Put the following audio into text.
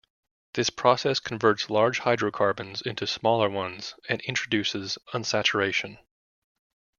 This process converts large hydrocarbons into smaller ones and introduces unsaturation.